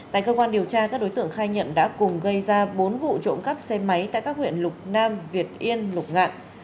tại cơ quan điều tra các đối tượng khai nhận đã cùng gây ra bốn vụ trộm cắp xe máy tại các huyện lục nam việt yên lục ngạn